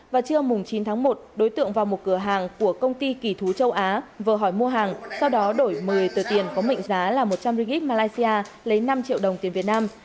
và trưa chín tháng một đối tượng vào một cửa hàng của công ty kỳ thú châu á vừa hỏi mua hàng sau đó đổi một mươi tờ tiền có mệnh giá là một trăm linh rig malaysia lấy năm triệu đồng tiền việt nam